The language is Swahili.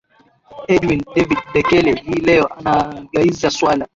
edwin david dekele hii leo anaangazia swala